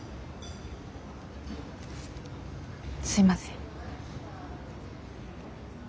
すいません。